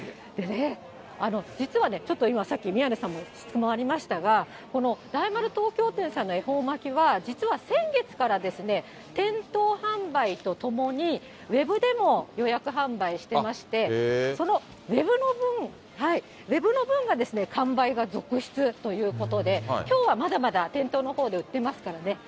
実はね、ちょっと今、さっき、宮根さんも質問ありましたが、この大丸東京店さんの恵方巻きは、実は先月から店頭販売とともに、ウェブでも予約販売してまして、そのウェブの分が完売が続出ということで、きょうはまだまだ店頭のほうで売ってますからね。